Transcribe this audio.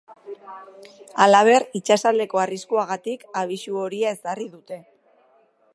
Halaber, itsasaldeko arriskuagatik abisu horia ezarri dute.